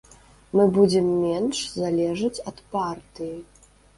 Мы будзем менш залежыць ад партыі.